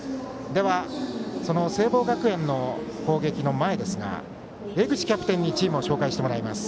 では、その聖望学園の攻撃の前ですが江口キャプテンにチームを紹介してもらいます。